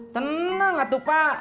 tenang atuh pak